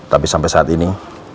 tapi sampai saat ini